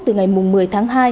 từ ngày một mươi tháng hai